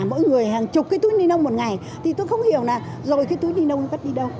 mỗi người hàng chục cái túi ni lông một ngày thì tôi không hiểu là rồi cái túi ni lông vắt đi đâu